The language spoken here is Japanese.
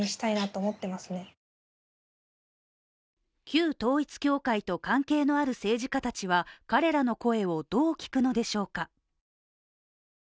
旧統一教会と関係のある政治家たちは、彼らの声をどう聞くのでしょうか。